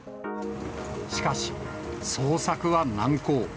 しかし、捜索は難航。